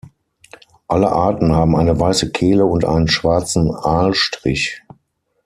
Alle Arten haben eine weiße Kehle und einen schwarzen Aalstrich.